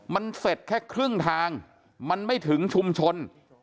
มันเสร็จแค่ครึ่งทางมันไม่ถึงชุมชน